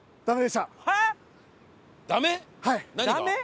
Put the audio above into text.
ダメ？